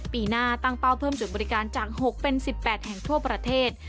ปีหน้าตั้งเป้าเพิ่มจุดบริการจาก๖เป็น๑๘แห่งทั่วประเทศ